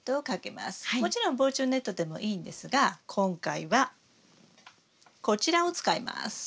もちろん防虫ネットでもいいんですが今回はこちらを使います。